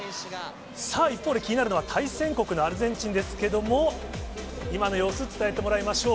さあ、一方で気になるのは対戦国のアルゼンチンですけれども、今の様子、伝えてもらいましょう。